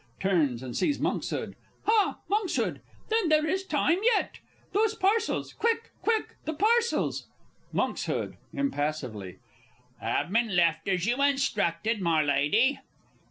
(Turns, and sees MONKSHOOD.) Ha, Monkshood! Then there is time yet! Those parcels ... quick, quick! the parcels! Monks (impassively). Have been left as you instructed, my Lady.